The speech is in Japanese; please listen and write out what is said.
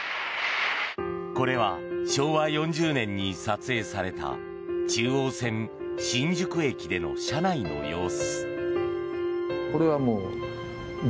これは昭和４０年に撮影された中央線新宿駅での車内の様子。